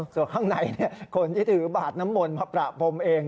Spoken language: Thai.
ส่วนข้างในคนที่ถือบาทน้ำมนต์มาประพรมเอง